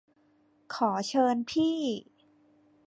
ขอเชิญพี่